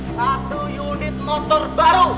satu unit motor baru